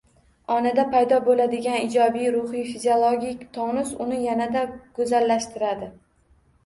Onada paydo bo‘ladigan ijobiy ruhiy-fiziologik tonus uni yanada go‘zallashtiradi.